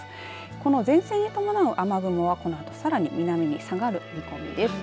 この前線に伴う雨雲はこのあとさらに南に下がる見込みです。